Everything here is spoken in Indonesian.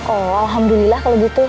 oh alhamdulillah kalau gitu